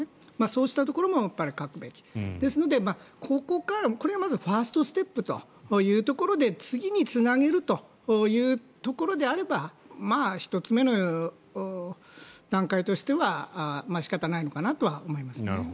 そうしたところも書くべき。ということでこれはまずファーストステップというところで次につなげるというところであればまあ、１つ目の段階としては仕方ないのかなとは思いますね。